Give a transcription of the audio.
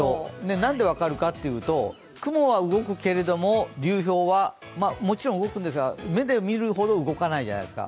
何で分かるかというと、雲は動くんですけども、流氷は、もちろん動くんですが目で見るほど動かないじゃないですか。